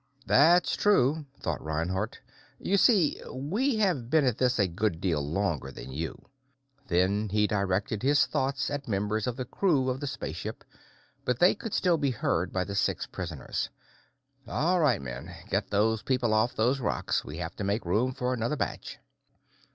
"That's true," thought Reinhardt. "You see, we have been at this a good deal longer than you." Then he directed his thoughts at members of the crew of the spaceship, but they could still be heard by the six prisoners. "All right, men, get those people off those rocks. We have to make room for another batch."